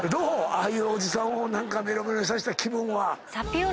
ああいうおじさんをメロメロにさした気分は。